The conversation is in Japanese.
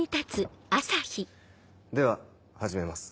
では始めます。